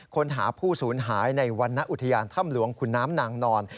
ค้นหาผู้สูญหายในวรรณอุทยานถ้ำหลวงขุนน้ำนางนอน